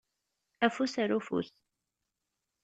Afus ar ufus.